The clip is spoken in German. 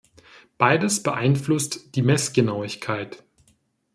Beides beeinflusst die Messgenauigkeit.